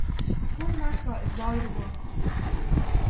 The school's mascot is "Wally the Warhawk".